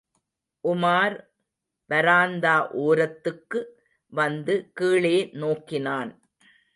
உமார் வராந்தா ஓரத்துக்கு வந்து கீழே நோக்கினான்.